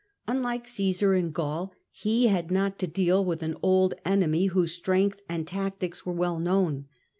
Unlike Caesar in Gaul, he had not to deal with an old enemy whose strength and tactics were well known.